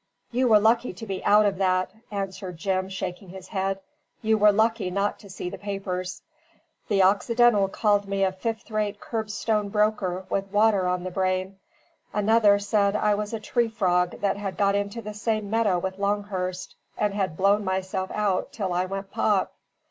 "You were lucky to be out of that," answered Jim, shaking his head; "you were lucky not to see the papers. The Occidental called me a fifth rate Kerbstone broker with water on the brain; another said I was a tree frog that had got into the same meadow with Longhurst, and had blown myself out till I went pop.